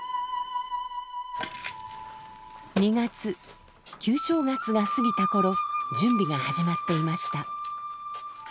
２月旧正月が過ぎた頃準備が始まっていました。